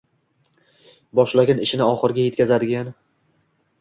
boshlagan ishini oxiriga yetkazadigan